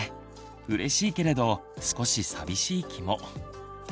うれしいけれど少し寂しい気も。